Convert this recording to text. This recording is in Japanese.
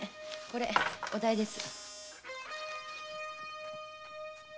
これお代です。